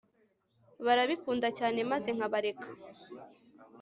barabikunda cyane maze nkabareka